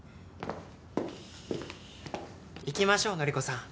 行きましょう典子さん。